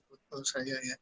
menurut saya ya